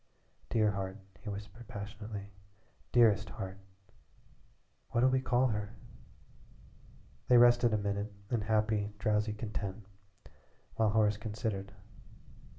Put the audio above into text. "Dear heart," he whispered passionately "dearest heart." "What'll we call her?" They rested a minute in happy, drowsy content, while Horace considered.